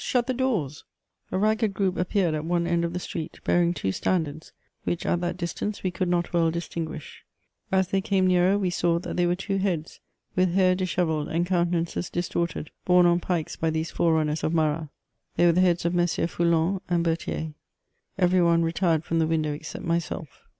shut the doors V* A ragged group appeaired at one end of the street, bearing two standards, which at that distance we could not well distinguish ; as they came nearer we saw that they were two heads, with hair dishevelled and countenances distorted, borne on pikes by these forerunners of Marat — they were the heads of MM. Foulon and Berthier. Every one retired from the window except myself.